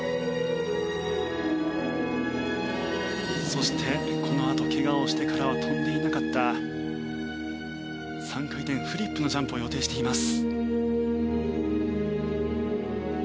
そしてこのあと怪我をしてからは跳んでいなかった３回転フリップのジャンプを予定しています。